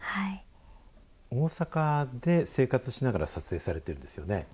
大阪で生活しながら撮影されてるんですよね？